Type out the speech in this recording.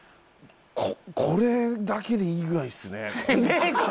これだけでいいぐらいですね。